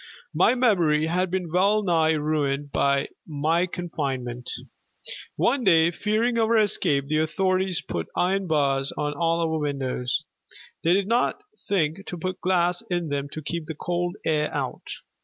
My memory had been well nigh ruined by my confinement. One day, fearing our escape, the authorities put iron bars on all our windows. They did not think to put glass in them to keep the cold air out.